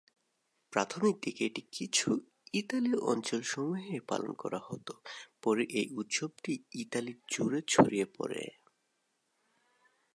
প্রাথমিক দিকে এটি কিছু ইতালীয় অঞ্চলসমূহে পালন করা হতো, পরে এই উৎসবটি ইতালি জুড়ে ছড়িয়ে পড়ে।